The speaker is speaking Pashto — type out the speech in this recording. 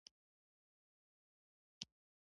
د کمپیوټر د معلوماتو ذخیره کول د صفر او یو په اساس ده.